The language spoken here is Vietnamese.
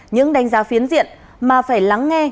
những đánh giá phiến diện mà phải lắng nghe